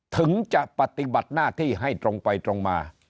ถึงจะปฏิบัติหน้าที่ให้ตรงไปตรงมา